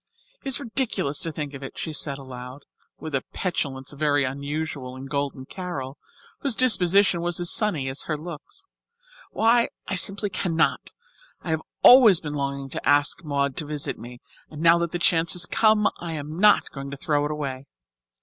"It is ridiculous to think of it," she said aloud, with a petulance very unusual in Golden Carol, whose disposition was as sunny as her looks. "Why, I simply cannot. I have always been longing to ask Maud to visit me, and now that the chance has come I am not going to throw it away.